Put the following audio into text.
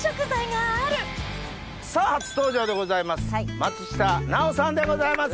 さぁ初登場でございます松下奈緒さんでございます。